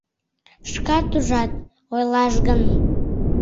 Шкат ужат: ойлаш гын